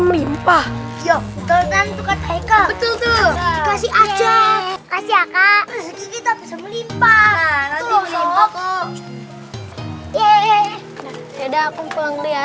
melimpah yuk betul betul kasih aja kasih kak kita bisa melimpah